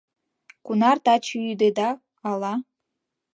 Кунар таче ӱдеда, ала...